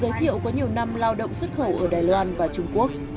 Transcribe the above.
giới thiệu có nhiều năm lao động xuất khẩu ở đài loan và trung quốc